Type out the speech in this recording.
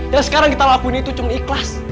yang sekarang kita lakuin itu cuma ikhlas